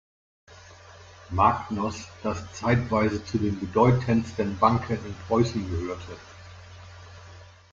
Magnus, das zeitweise zu den bedeutendsten Banken in Preußen gehörte.